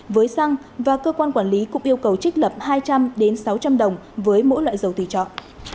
với xăng và cơ quan quản lý cũng yêu cầu trích lập hai trăm linh sáu trăm linh đồng với mỗi loại dầu tùy chọn